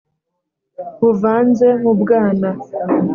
buvanze mu bwana